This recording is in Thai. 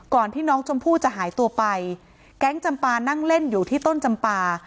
ที่น้องชมพู่จะหายตัวไปแก๊งจำปานั่งเล่นอยู่ที่ต้นจำปา